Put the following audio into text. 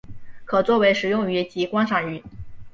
可做为食用鱼及观赏鱼。